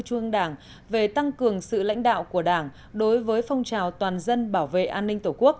chương đảng về tăng cường sự lãnh đạo của đảng đối với phong trào toàn dân bảo vệ an ninh tổ chức